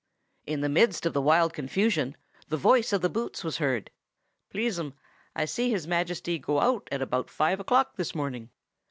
In the midst of the wild confusion the voice of the Boots was heard. "Please, 'm, I see His Majesty go out at about five o'clock this morning."